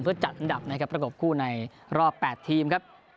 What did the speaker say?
เพื่อจัดอันดับนะครับประกบคู่ในรอบ๘ทีมครับ